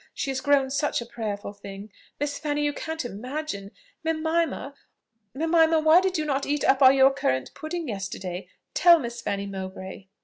she is grown such a prayerful thing, Miss Fanny, you can't imagine. Mimima, why did you not eat up all your currant pudding yesterday? tell Miss Fanny Mowbray!"